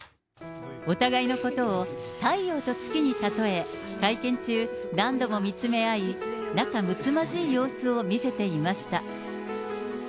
お互いのことを太陽と月にたとえ、会見中、何度も見つめ合い、仲むつまじい様子を見せていました。